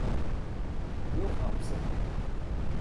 Wilhelmsen.